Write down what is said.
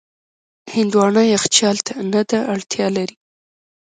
هندوانه یخچال ته نه ده اړتیا لري.